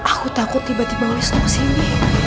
aku takut tiba tiba wisnu kesini